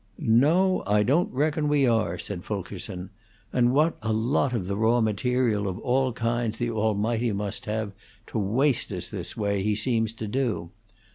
"No, I don't reckon we are," said Fulkerson. "And what a lot of the raw material of all kinds the Almighty must have, to waste us the way He seems to do.